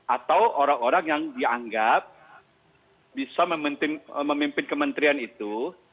atau orang orang yang dianggap bisa memimpin kementerian itu